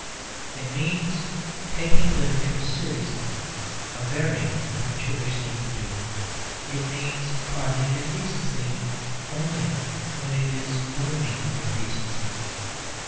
It means taking literature seriously, a very amateurish thing to do. It means pardoning indecency only when it is gloomy indecency.